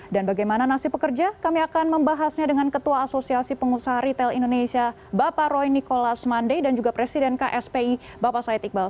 dan bagaimana nasib pekerja kami akan membahasnya dengan ketua asosiasi pengusaha retail indonesia bapak roy nikolas mandai dan juga presiden kspi bapak said iqbal